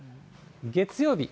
月曜日。